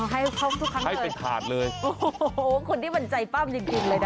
อ๋อให้เขาทุกครั้งเลยโอ้โฮคุณที่มันใจป้ามยังกินเลยนะ